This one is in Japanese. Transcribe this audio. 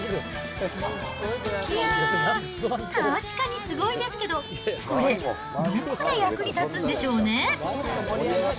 いやー、確かにすごいですけど、これ、どこで役に立つんでしょうね。